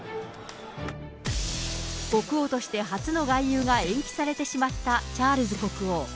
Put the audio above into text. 国王として初の外遊が延期されてしまったチャールズ国王。